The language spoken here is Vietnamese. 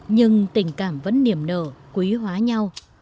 nhưng tình cảm vẫn niềm nợ quý hóa nhau